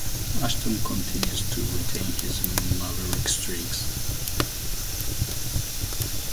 Ashton continued to retain his maverick streak.